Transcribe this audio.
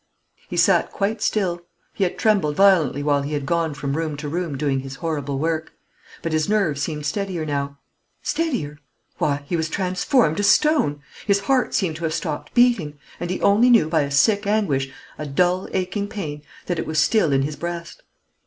He sat quite still. He had trembled violently while he had gone from room to room doing his horrible work; but his nerves seemed steadier now. Steadier! why, he was transformed to stone! His heart seemed to have stopped beating; and he only knew by a sick anguish, a dull aching pain, that it was still in his breast.